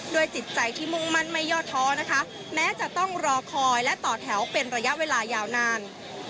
จิตใจที่มุ่งมั่นไม่ย่อท้อนะคะแม้จะต้องรอคอยและต่อแถวเป็นระยะเวลายาวนาน